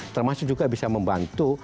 termasuk juga bisa membantu